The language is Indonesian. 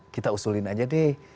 kita usulin aja deh